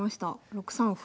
６三歩。